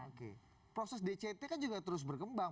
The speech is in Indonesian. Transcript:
oke proses dct kan juga terus berkembang